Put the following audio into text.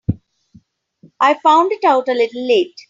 I found it out a little late.